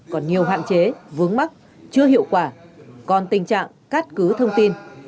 còn nhiều hạn chế vướng mắc chưa hiệu quả còn tình trạng cắt cứ thông tin